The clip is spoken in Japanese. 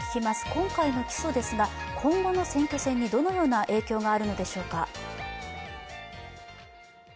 今回の起訴ですが、今後の選挙戦にどのような影響があるのでしょうか。